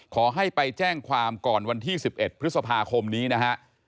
ขอให้ไปแจ้งความก่อนวันที่๑๑พฤษภาคมนี้นะฮะ